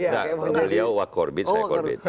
beliau wah korbit saya korbit